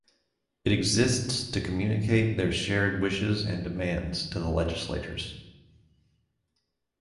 It exists to communicate their shared wishes and demands to the legislators.